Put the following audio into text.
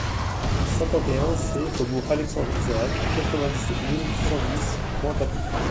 cinquante et un C faubourg Alexandre Isaac, quatre-vingt-dix-sept mille cent dix Pointe-à-Pitre